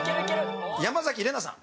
山崎怜奈さん。